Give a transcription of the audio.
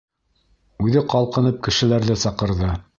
Үҙе ҡалҡынып кешеләрҙе саҡырҙы.